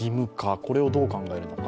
これをどう考えるのか。